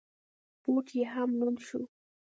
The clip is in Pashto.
بوټ یې هم لوند شو.